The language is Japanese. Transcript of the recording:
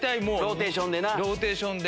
ローテーションで。